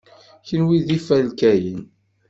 Kenwi d ifalkayen.